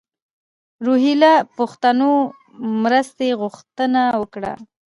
روهیله پښتنو مرستې غوښتنه وکړه.